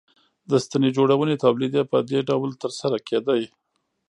د ستنې جوړونې تولید یې په دې ډول ترسره کېده